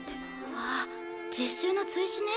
あっ実習の追試ね。